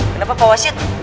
kenapa pak wasid